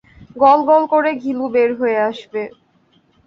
গল-গল করে ঘিলু বের হয়ে আসবে।